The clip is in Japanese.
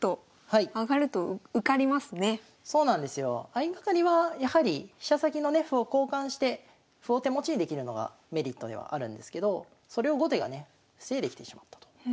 相掛かりはやはり飛車先のね歩を交換して歩を手持ちにできるのがメリットではあるんですけどそれを後手がね防いできてしまったと。